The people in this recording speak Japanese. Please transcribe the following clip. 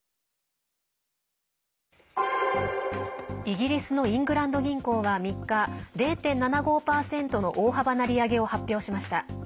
イギリスのイングランド銀行は３日０．７５％の大幅な利上げを発表しました。